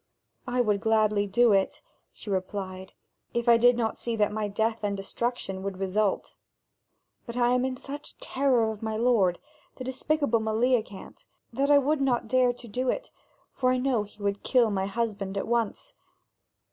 "I would gladly do it," she replied, "if I did not see that my death and destruction would result. But I am in such terror of my lord, the despicable Meleagant, that I would not dare to do it, for he would kill my husband at once.